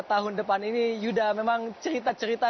tahun depan ini yuda memang cerita cerita